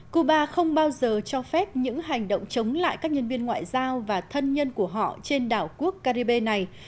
cuba không bao giờ cho phép những hành động chống lại các nhân viên ngoại giao và thân nhân của họ trên đảo quốc caribe này